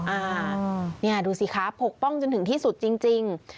อ่านี่ดูสิคะปกป้องจนถึงที่สุดจริง